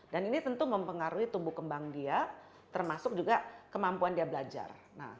dan ini tentu mempengaruhi tumbuh kembang dia termasuk juga kemampuan dia belajar